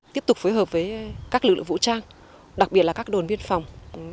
tiếp tục phối hợp với các lực lượng vũ trang đặc biệt là các đồn biên phòng